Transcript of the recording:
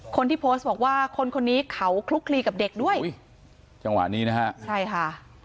คนที่โพสต์บอกว่าคนคนนี้เขาคลุกคลีกับเด็กด้วยอุ้ยจังหวะนี้นะฮะใช่ค่ะ